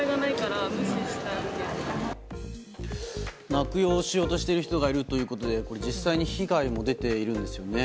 悪用しようとしている人がいるということで実際に被害も出ているんですよね。